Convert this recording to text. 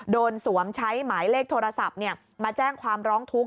สวมใช้หมายเลขโทรศัพท์มาแจ้งความร้องทุกข